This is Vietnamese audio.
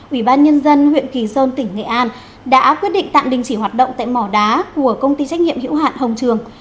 ủy ban nhân dân huyện kỳ sơn tỉnh nghệ an đã quyết định tạm đình chỉ hoạt động tại mỏ đá của công ty trách nhiệm hữu hạn hồng trường